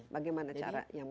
bagaimana cara yang